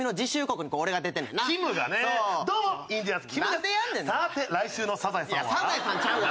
さて来週の『サザエさん』は。